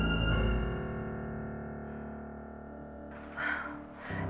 bapak ini keterlaluan